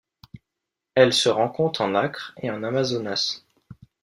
Elle se rencontre en Acre et en Amazonas.